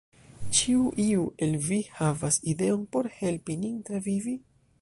"Ĉiu iu el vi havas ideon por helpi nin travivi?"